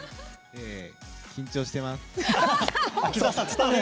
緊張してます。